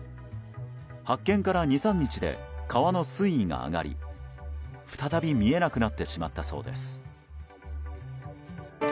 発見から２３日で川の水位が上がり再び見えなくなってしまったそうです。